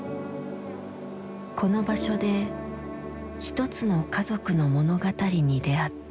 この場所で一つの家族の物語に出会った。